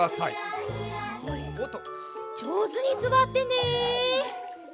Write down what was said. じょうずにすわってね！